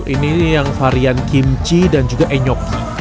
ini yang varian kimchi dan juga enyoki